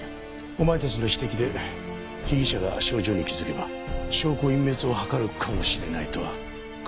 お前たちの指摘で被疑者が症状に気づけば証拠隠滅を図るかもしれないとは考えなかったのか？